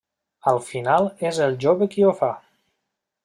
Al final és el jove qui ho fa.